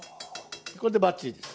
これでバッチリです。